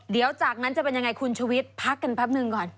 เดี๋ยวจากนั้นจะเป็นยังไงคุณชุวิตพักกันแป๊บหนึ่งก่อน